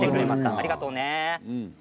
ありがとうね。